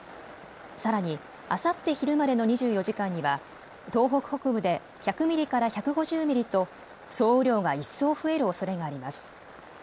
さらにあさって昼までの２４時間には東北北部で１００ミリから１５０ミリと総雨量が一層増えるおそれがあります。